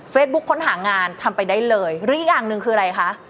ค้นหางานทำไปได้เลยหรืออีกอย่างหนึ่งคืออะไรคะ